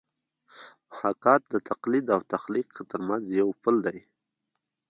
محاکات د تقلید او تخلیق ترمنځ یو پل دی